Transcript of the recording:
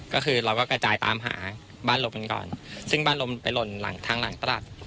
ก็คือเราก็กระจายตามหาบ้านลมกันก่อนซึ่งบ้านลมไปหล่นหลังทางหลังตลาด